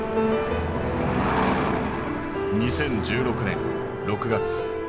２０１６年６月